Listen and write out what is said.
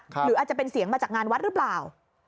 หรืออาจจะเป็นเสียงมาจากงานวัดหรือเปล่า